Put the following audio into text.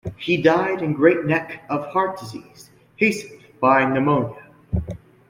He died in Great Neck of heart disease, hastened by pneumonia.